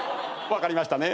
分かりましたね？